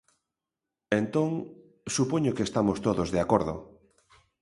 Entón, supoño que estamos todos de acordo.